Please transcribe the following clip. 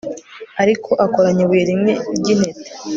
Ariko akoranya ibuye rimwe ryintete